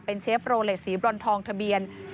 เป็นเชฟโรเลสสีบรอนทองทะเบียน